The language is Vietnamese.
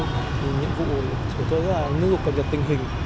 thì nhiệm vụ của tôi rất là nguyên vụ cập nhật tình hình